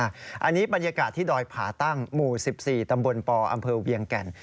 อันนี้บรรยากาศที่ดอยผาตั้งหมู่๑๔ตำบลปอำเภอเวียงแก่น